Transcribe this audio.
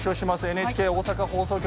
ＮＨＫ大阪放送局